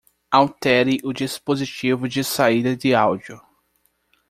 Altere o dispositivo de saída de áudio.